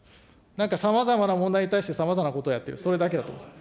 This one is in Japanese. なんか様々な問題に対してさまざまなことをやってる、それだけだと思います。